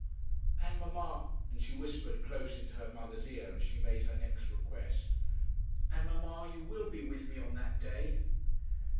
'And, mamma,' and she whispered close into her mother's ear, as she made her next request; 'and, mamma, you will be with me on that day?'